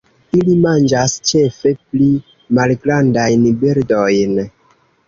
Ili manĝas ĉefe pli malgrandajn birdojn.